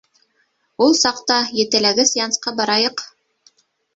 Ул саҡта етеләге сеансҡа барайыҡ.